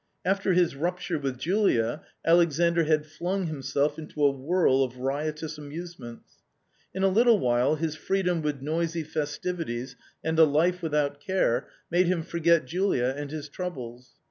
After his rupture with Julia, Alexandr had flung himself into a whirl of riotous amusements. In a little while his freedom with noisy festivities and a life without care made him forget Julia and his troubles.